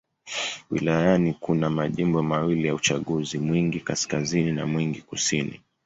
Wilayani kuna majimbo mawili ya uchaguzi: Mwingi Kaskazini na Mwingi Kusini.